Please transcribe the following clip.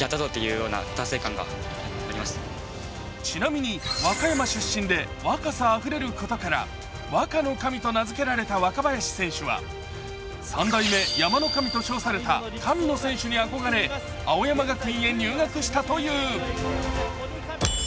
ちなみに和歌山出身で若さあふれることから若の神と名づけられた若林選手は３代目山の神と称された神野選手に憧れ、青山学院へ入学したという。